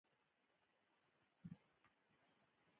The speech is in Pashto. په لومړیو کې بزګران په ځمکو پورې تړلي نه وو.